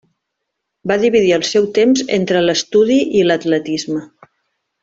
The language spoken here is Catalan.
Va dividir el seu temps entre l'estudi i l'atletisme.